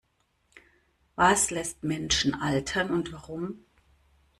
Was lässt Menschen altern und warum?